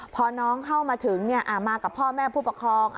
พอน้องเข้ามาถึงมากับพ่อแม่ผู้ปกครอง